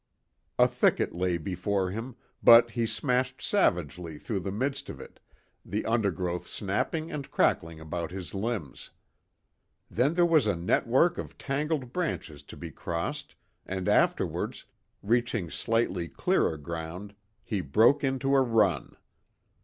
A thicket lay before him, but he smashed savagely through the midst of it, the undergrowth snapping and crackling about his limbs. Then there was a network of tangled branches to be crossed, and afterwards, reaching slightly clearer ground, he broke into a run.